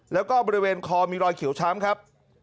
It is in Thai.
แล้วก็บริเวณคอมีรอยเขียวช้ำครับ